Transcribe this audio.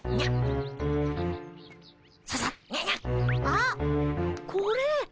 あっこれ。